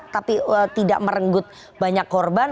tapi tidak merenggut banyak korban